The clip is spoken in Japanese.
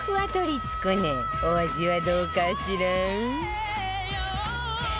お味はどうかしら？